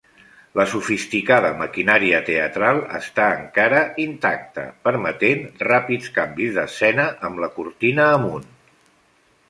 La sofisticada maquinària teatral està encara intacta, permetent ràpids canvis d'escena amb la cortina amunt.